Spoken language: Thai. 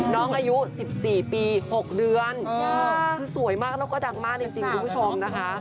น้องอายุ๑๔ปี๖เดือนคือสวยมากแล้วก็ดังมากจริงคุณผู้ชมนะคะ